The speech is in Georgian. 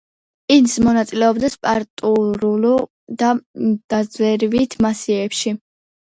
ის მონაწილეობდა საპატრულო და დაზვერვით მისიებში.